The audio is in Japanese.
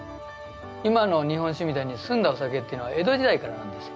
今の日本酒みたいに澄んだお酒っていうのは江戸時代からなんですよ。